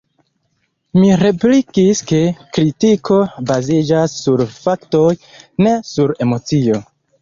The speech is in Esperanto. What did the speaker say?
Mi replikis, ke kritiko baziĝas sur faktoj, ne sur emocio.